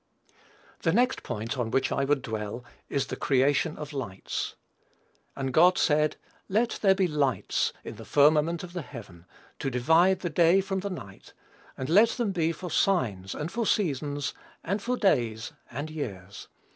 The next point on which I would dwell is the creation of lights. "And God said, Let there be lights in the firmament of the heaven, to divide the day from the night; and let them be for signs, and for seasons, and for days and years.